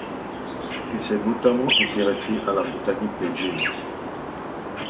Il s'est notamment intéressé à la botanique des dunes.